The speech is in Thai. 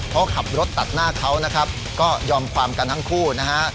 เขาขับรถตัดหน้าเขานะครับก็ยอมความกันทั้งคู่นะฮะ